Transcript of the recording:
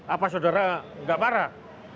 apa saudara tidak marah